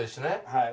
はい